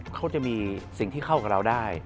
เขาจะมีสิ่งที่เข้ากับเราได้